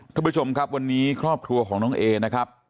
ท่านผู้ชมครับวันนี้ครอบครัวของน้องเอนะครับ